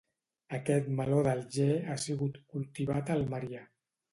Aquest meló d'Alger ha sigut cultivat a Almeria.